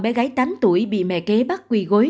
bé gái tám tuổi bị mẹ kế bắt quỳ gối